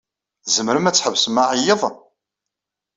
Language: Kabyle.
Tzemrem ad tḥebsem aɛeyyeḍ?